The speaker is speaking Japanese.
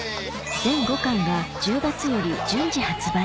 全５巻が１０月より順次発売